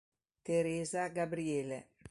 Teresa Gabriele